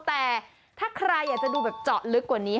แต่ถ้าใครอยากจะดูแบบเจาะลึกกว่านี้